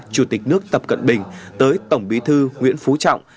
chủ tịch nước tập cận bình tới tổng bí thư nguyễn phú trọng